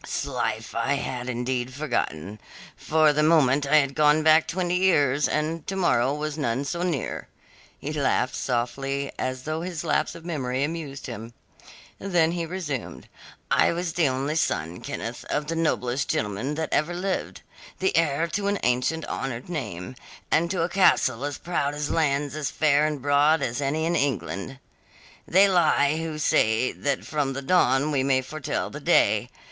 "'Slife, I had indeed forgotten. For the moment I had gone back twenty years, and to morrow was none so near." He laughed softly, as though his lapse of memory amused him. Then he resumed: "I was the only son, Kenneth, of the noblest gentleman that ever lived the heir to an ancient, honoured name, and to a castle as proud and lands as fair and broad as any in England. "They lie who say that from the dawn we may foretell the day.